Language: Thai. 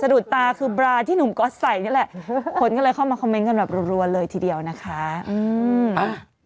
ดูดตาคือบราที่หนุ่มก๊อตใส่นี่แหละคนก็เลยเข้ามาคอมเมนต์กันแบบรัวเลยทีเดียวนะคะอืมอ่ะ